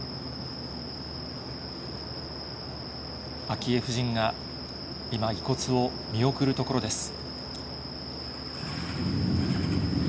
昭恵夫人が今、遺骨を見送るところです。